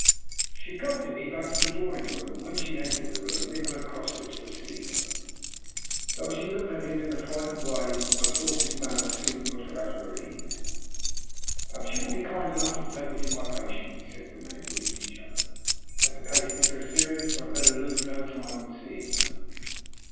She accompanied me back to the drawing room, and when she entered the room Nikola crossed it to receive her. Though she looked at him in a frightened way I thought his manner soon put her at her ease. "Perhaps you will be kind enough to take me to my patient," he said, when they had greeted each other. "As the case is so serious, I had better lose no time in seeing her."